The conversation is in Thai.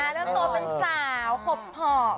ต้องโตเป็นสาวคบพอค